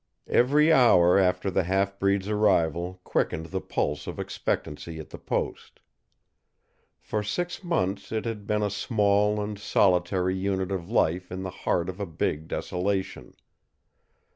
Every hour after the half breed's arrival quickened the pulse of expectancy at the post. For six months it had been a small and solitary unit of life in the heart of a big desolation.